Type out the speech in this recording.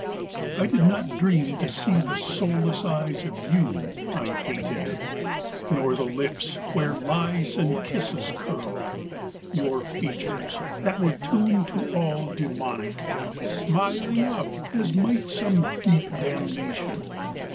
VI I did not dream to see the soulless eyes Of you I hated; nor the lips where lies And kisses curled: your features, that were tuned To all demonic, smiling up as might Some deep damnation!